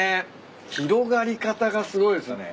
広がり方がすごいっすよね。